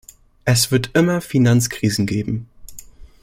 Es wird immer Finanzkrisen geben.